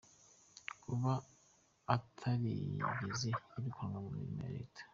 Kuba atarigeze yirukanwa mu mirimo ya leta;.